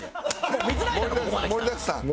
盛りだくさん。